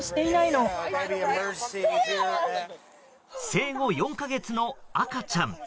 生後４か月の赤ちゃん。